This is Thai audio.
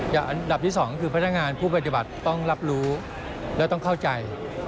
อันดับที่๒คือพนักงานผู้ปฏิบัติต้องรับรู้และต้องเข้าใจ